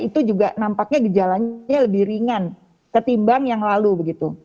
itu juga nampaknya gejalanya lebih ringan ketimbang yang lalu begitu